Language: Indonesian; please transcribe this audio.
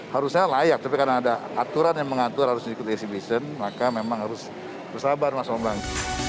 harusnya layak tapi karena ada aturan yang mengatur harus mengikuti exhibition maka memang harus bersabar mas bambang